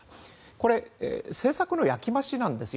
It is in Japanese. これ政策の焼き増しなんですよ。